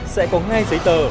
sẽ có ngay giấy tờ